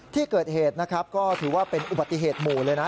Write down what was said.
ที่เกิดเหตุนะครับก็ถือว่าเป็นอุบัติเหตุหมู่เลยนะ